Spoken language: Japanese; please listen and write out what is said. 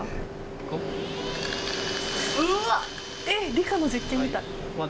理科の実験みたい！